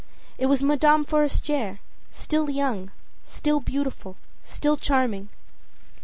It was Madame Forestier, still young, still beautiful, still charming.